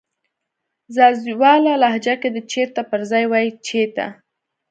ځاځيواله لهجه کې د "چیرته" پر ځای وایې "چیته"